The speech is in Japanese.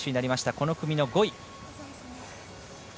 この組の５位。